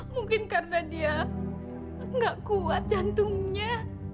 mungkin karena dia nggak kuat jantungnya